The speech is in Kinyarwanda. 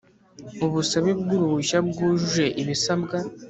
ubusabe bw uruhushya bwujuje ibisabwa